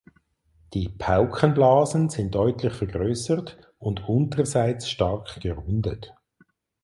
Die Paukenblasen sind deutlich vergrößert und unterseits stark gerundet.